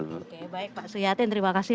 oke baik pak suyatin terima kasih